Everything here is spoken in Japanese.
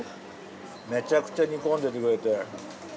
めちゃくちゃ煮込んでてくれて。